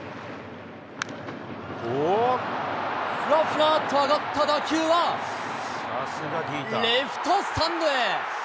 ふらふらっと上がった打球は、レフトスタンドへ。